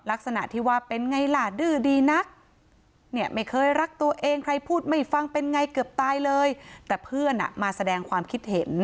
ลักษณะที่ว่าเป็นไงล่ะดื้อดีนักเนี่ยไม่เคยรักตัวเองใครพูดไม่ฟังเป็นไงเกือบตายเลยแต่เพื่อนอ่ะมาแสดงความคิดเห็น